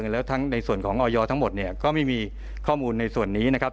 แล้วทั้งในส่วนของออยทั้งหมดเนี่ยก็ไม่มีข้อมูลในส่วนนี้นะครับ